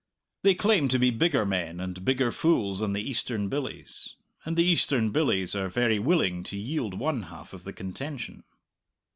They claim to be bigger men and bigger fools than the Eastern billies. And the Eastern billies are very willing to yield one half of the contention.